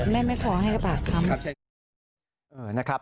แม่ไม่ขอให้กระปาดคำ